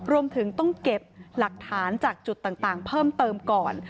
รวมถึงต้องเก็บหลักฐานจากจุดต่างเพิ่มเติมก่อน